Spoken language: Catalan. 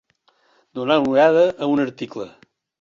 Donar una ullada a un article.